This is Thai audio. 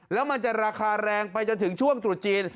แล้วมันจะราคาแรงไปจนถึงช่วงตรุษจีน